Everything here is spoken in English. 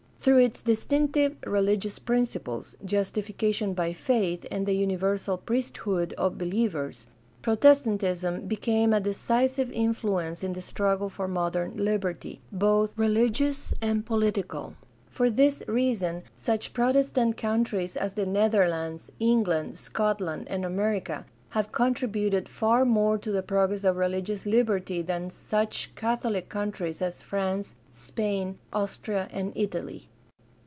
Through its dis tinctive religious principles — justification by faith and the universal priesthood of believers — Protestantism became a decisive influence in the struggle for modern liberty, both religious and political. THE DEVELOPMENT OF MODERN CHRISTIANITY 445 For this reason such Protestant countries as the Nether lands, England, Scotland, and America have contributed far more to the progress of religious liberty than such Catholic countries as France, Spain, Austria, and Italy.